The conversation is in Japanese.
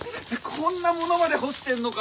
こんなものまで干してんのか？